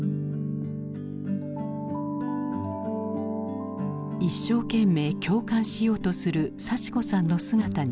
一生懸命共感しようとする幸子さんの姿に心を引かれた。